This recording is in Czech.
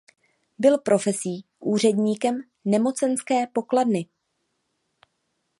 Byl profesí úředníkem nemocenské pokladny.